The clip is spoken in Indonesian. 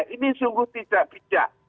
ini sungguh tidak bijak